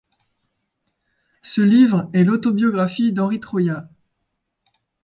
Ce livre est l'autobiographie d'Henri Troyat.